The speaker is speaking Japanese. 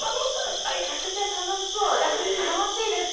めちゃくちゃ楽しそうです。